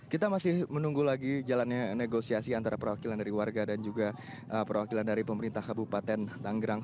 kita masih menunggu lagi jalannya negosiasi antara perwakilan dari warga dan juga perwakilan dari pemerintah kabupaten tanggerang